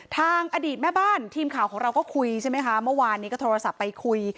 ทางอดีตแม่บ้านทีมข่าวของเราก็คุยใช่ไหมคะเมื่อวานนี้ก็โทรศัพท์ไปคุย